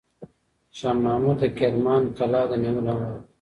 شاه محمود د کرمان قلعه د نیولو امر وکړ.